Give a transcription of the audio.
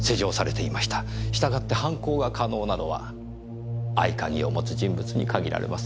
したがって犯行が可能なのは合鍵を持つ人物に限られます。